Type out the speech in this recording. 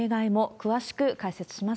詳しく解説します。